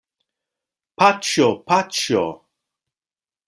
Paĉjo, paĉjo!